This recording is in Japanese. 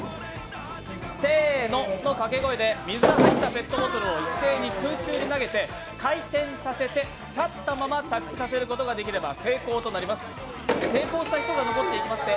せーのの掛け声で水が入ったペットボトルを一斉に空中で投げて回転させて立ったまま着地させることができれば成功になります。